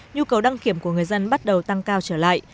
nhu cầu đăng kiểm của người dân bắt đầu tăng cao trở lại